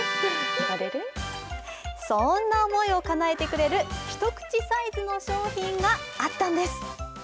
そんな思いをかなえてくれるひとくちサイズの商品があったんです。